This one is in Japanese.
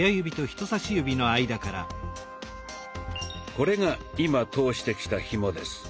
これが今通してきたひもです。